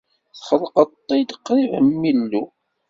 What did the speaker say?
Txelqeḍ-t-id qrib am Yillu.